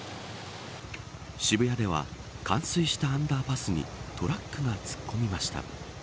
渋谷では冠水したアンダーパスにトラックが突っ込みました。